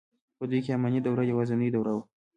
په دوی کې اماني دوره یوازنۍ دوره وه.